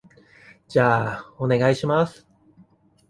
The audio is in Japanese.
じゃあ、お願いします。